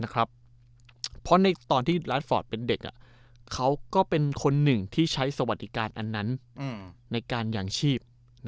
เพราะในตอนที่รัฐฟอร์ตเป็นเด็กเขาก็เป็นคนหนึ่งที่ใช้สวัสดิการอันนั้นในการยางชีพ